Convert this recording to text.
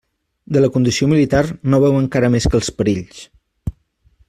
De la condició militar no veu encara més que els perills.